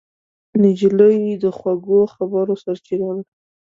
نجلۍ د خوږو خبرو سرچینه ده.